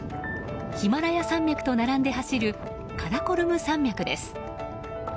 ヒマラヤ山脈と並んで走るカラコルム山脈です。